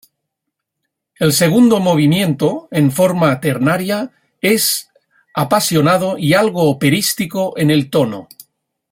El segundo movimiento, en forma ternaria, es apasionado y algo operístico en el tono.